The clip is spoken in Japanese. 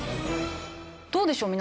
どうでしょう？